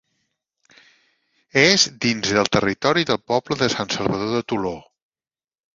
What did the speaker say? És dins del territori del poble de Sant Salvador de Toló.